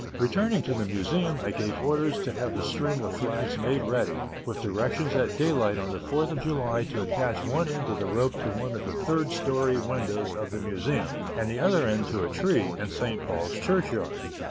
Returning to the Museum I gave orders to have the string of flags made ready, with directions at daylight on the Fourth of July to attach one end of the rope to one of the third story windows of the Museum, and the other end to a tree in St. Paul's churchyard.